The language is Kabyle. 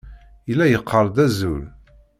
Yella yeqqar-d azul.